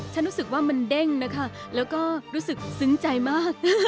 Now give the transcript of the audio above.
ฉันรู้สึกว่ามันเด้งนะคะแล้วก็รู้สึกซึ้งใจมาก